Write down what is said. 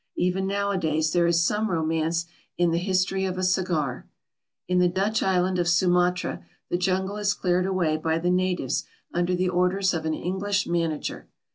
Even nowadays there is some romance in the history of a cigar. In the Dutch island of Sumatra the jungle is cleared away by the natives under the orders of an English manager.